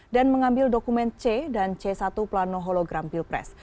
mengambil dokumen c dan c satu plano hologram pilpres